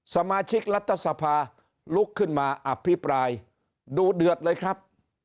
สมาชิกรัฐสภาลุกขึ้นมาอภิปรายดูเดือดเลยครับ